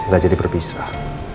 gak jadi berpisah